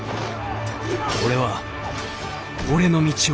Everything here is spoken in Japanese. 俺は俺の道を行く。